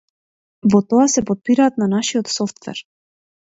Во тоа се потпираат на нашиот софтвер.